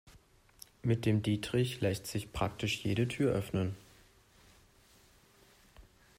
Mit dem Dietrich lässt sich praktisch jede Tür öffnen.